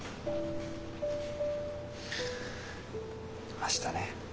明日ね。